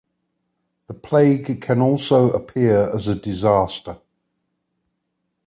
The Plague can also appear as a disaster.